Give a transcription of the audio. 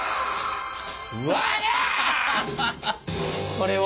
これは？